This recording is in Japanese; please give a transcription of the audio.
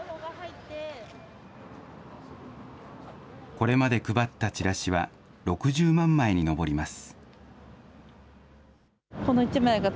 これまで配ったチラシは６０万枚に上ります。